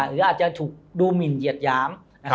หรืออาจจะถูกดูหมินเหยียดหยาม